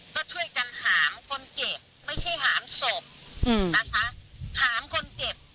ก็ช่วยกันหามคนเจ็บไม่ใช่หามศพนะคะถามคนเจ็บ